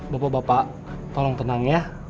bapak bapak tolong tenang ya